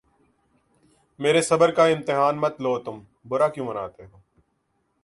میرے صبر کا امتحان مت لو تم برا کیوں مناتے ہو